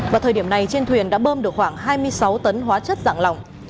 vào thời điểm này trên thuyền đã bơm được khoảng hai mươi sáu tấn hóa chất dạng lỏng